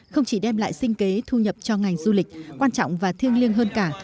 không chỉ đem lại sinh kế thu nhập cho ngành du lịch quan trọng và thiêng liêng hơn cả